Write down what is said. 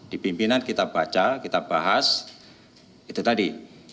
di pimpinan kita baca kita bahas itu tadi